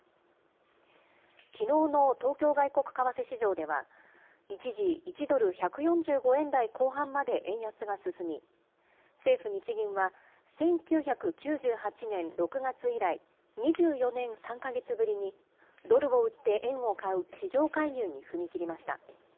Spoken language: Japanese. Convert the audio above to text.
きのうの東京外国為替市場では、一時１ドル１４５円台後半まで円安が進み、政府・日銀は、１９９８年６月以来、２４年３か月ぶりにドルを売って円を買う、市場介入に踏み切りました。